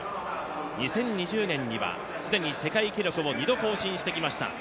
２０２０年には既に世界記録を２回更新してきました。